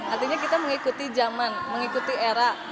artinya kita mengikuti zaman mengikuti era